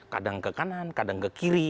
kadang ke kanan kadang ke kiri